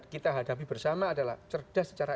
kita hadapi bersama adalah cerdas secara